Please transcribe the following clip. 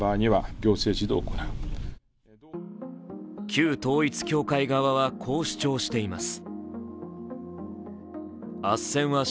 旧統一教会側はこう主張しています。